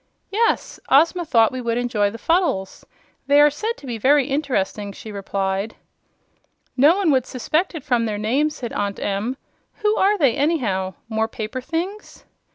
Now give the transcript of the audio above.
"Yes; Ozma thought we might enjoy the Fuddles. They are said to be very interesting," she replied. "No one would suspect it from their name," said Aunt Em. "Who are they, anyhow? More paper things?"